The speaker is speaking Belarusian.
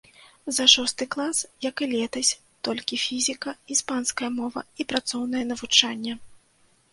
За шосты клас, як і летась, толькі фізіка, іспанская мова і працоўнае навучанне.